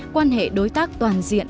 quan hệ đối tác toàn diện